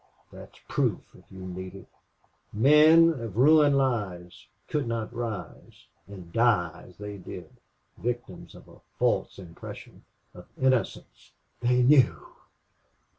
That is proof if you need it.... Men of ruined lives could not rise and die as they did victims of a false impression of innocence.... They knew!"